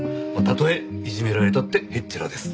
たとえいじめられたってへっちゃらです。